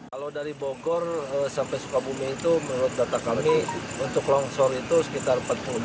kalau dari bogor sampai sukabumi itu menurut data kami untuk longsor itu sekitar empat puluh delapan